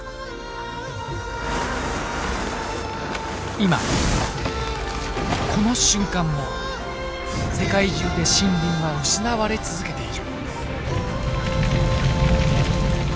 今この瞬間も世界中で森林は失われ続けている。